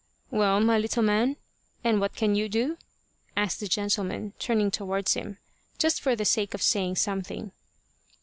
"Well, my little man, and what can you do?" asked the gentleman, turning towards him just for the sake of saying something.